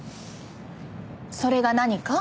それが何か？